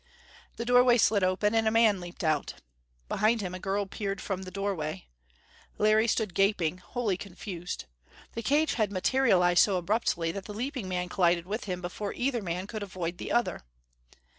The doorway slid open, and a man leaped out. Behind him, a girl peered from the doorway. Larry stood gaping, wholly confused. The cage had materialized so abruptly that the leaping man collided with him before either man could avoid the other.